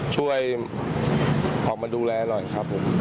ช่วยออกมาดูแลหน่อยครับผม